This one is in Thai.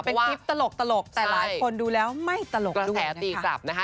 เป็นคลิปตลกแต่หลายคนดูแล้วไม่ตลกด้วยนะคะ